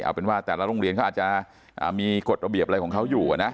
เอาเป็นว่าแต่ละโรงเรียนเขาอาจจะมีกฎระเบียบอะไรของเขาอยู่นะ